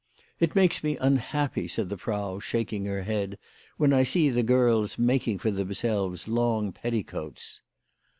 " It makes me unhappy," said the Frau, shaking her head, " when I see the girls making for themselves long petticoats."